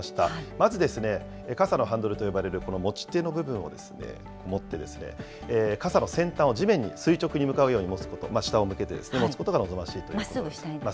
まず傘のハンドルと呼ばれるこの持ち手の部分を持って、傘の先端を地面に垂直に向かうように持つこと、下を向けて持つことが望ましいということです。